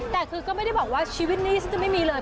แต่คือก็ไม่ได้บอกว่าชีวิตนี้ฉันจะไม่มีเลย